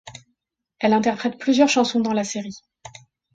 Elle interprète plusieurs chansons dans la série.